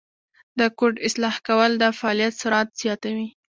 د کوډ اصلاح کول د فعالیت سرعت زیاتوي.